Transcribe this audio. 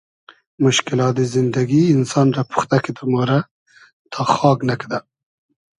موشکیلات زیندئگی اینسان رۂ پوختۂ کیدۂ مۉرۂ تا خاگ نئکئدۂ